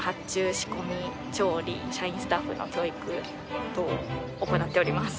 仕込み調理社員スタッフの教育等行っております。